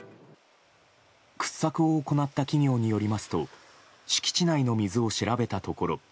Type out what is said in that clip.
掘削を行った企業によりますと敷地内の水を調べたところ